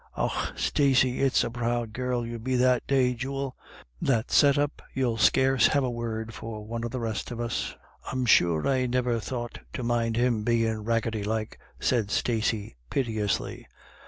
Och Stacey, it's the proud girl you r ll be that day, jewel ; that set up, you'll scarce have a word for one of the rest of us." "I'm sure I niver thought to mind him bein' raggetty like," said Stacey piteously.